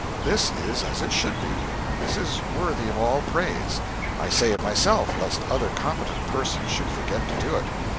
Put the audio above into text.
This is as it should be. This is worthy of all praise. I say it myself lest other competent persons should forget to do it.